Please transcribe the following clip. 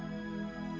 aku sudah berjalan